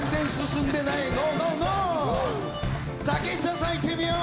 竹下さんいってみよう！